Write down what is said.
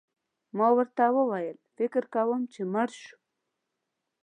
ما ورته وویل: فکر کوم چي مړ شو.